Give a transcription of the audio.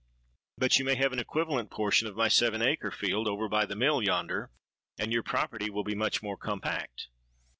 '—'But you may have an equivalent portion of my seven acre field over by the mill yonder; and your property will be much more compact.'